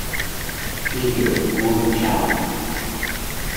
Khi được vuông tròn